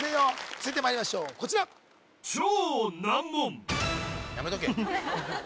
続いてまいりましょうこちらやめとけ